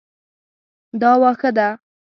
دا واښه ده